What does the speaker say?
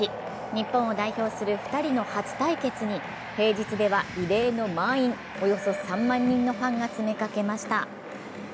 日本を代表する２人の初対決に平日では異例の満員、およそ３万人のファンが詰めかけました。